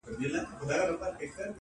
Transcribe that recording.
o زندګي هم يو تجربه وه ښه دى تېره سوله,